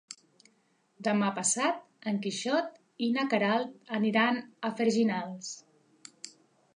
Demà passat en Quixot i na Queralt aniran a Freginals.